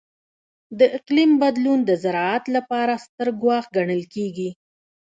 د اقلیم بدلون د زراعت لپاره ستر ګواښ ګڼل کېږي.